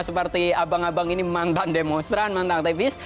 seperti abang abang ini mantan demonstran mantan aktivis